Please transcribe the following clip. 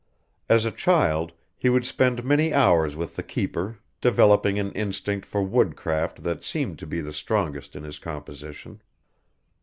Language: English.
As a child, he would spend many hours with the keeper, developing an instinct for wood craft that seemed to be the strongest in his composition.